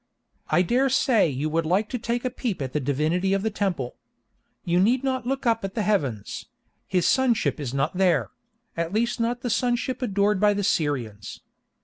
I dare say you would like to take a peep at the divinity of the temple. You need not look up at the heavens; his Sunship is not there—at least not the Sunship adored by the Syrians.